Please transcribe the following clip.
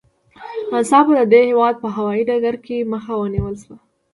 ناڅاپه د دې هېواد په هوايي ډګر کې مخه ونیول شوه.